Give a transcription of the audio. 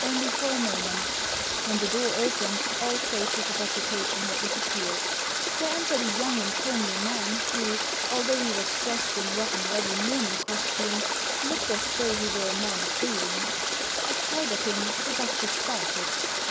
Only for a moment When the door opened all traces of agitation had dis appeared. There entered a young and comely man who, although he was dressed in rough and ready morning costume, looked as though he were a man of breeding. At sight of him the Duchess started.